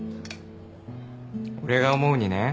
俺が思うにね。